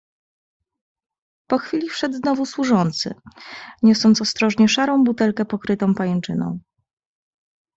"Po chwili wszedł znowu służący, niosąc ostrożnie szarą butelkę, pokrytą pajęczyną."